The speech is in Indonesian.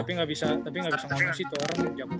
tapi ga bisa ngomong sih tuh orangnya jauh banget